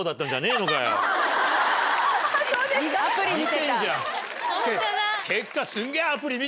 見てんじゃん結果。